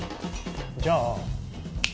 じゃあ